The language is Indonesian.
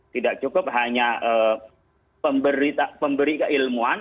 tidak cukup hanya pemberi keilmuan